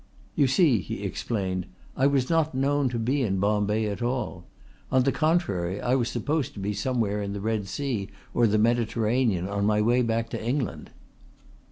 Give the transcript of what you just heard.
"You see," he explained, "I was not known to be in Bombay at all. On the contrary I was supposed to be somewhere in the Red Sea or the Mediterranean on my way back to England."